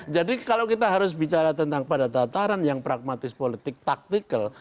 jadi kalau kita harus bicara tentang pada tataran yang pragmatis politik taktikal